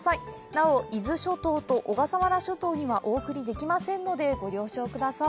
なお、伊豆諸島と小笠原諸島にはお送りできませんのでご了承ください。